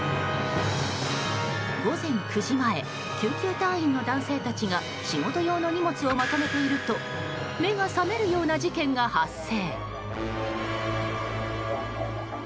午前９時前救急隊員の男性たちが仕事用の荷物をまとめていると目が覚めるような事件が発生。